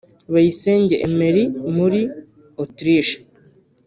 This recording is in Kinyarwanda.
Bayisenge Emery muri Autriche